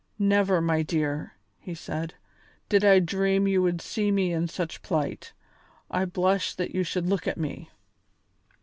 "Never, my dear," he said, "did I dream you would see me in such plight. I blush that you should look at me."